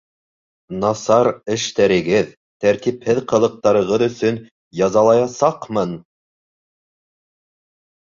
Насар эштәрегеҙ, тәртипһеҙ ҡылыҡтарығыҙ өсөн язалаясаҡмын!